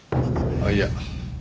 あっいや。